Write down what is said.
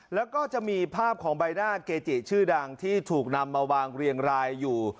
แล้วก็จะมีภาพของใบหน้าเกจิชื่อดังที่ถูกนำมาวางเรียงรายอยู่